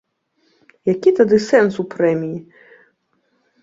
Які тады сэнс у прэміі?